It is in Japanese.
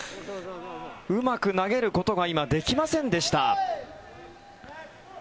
うまく投げることができませんでした。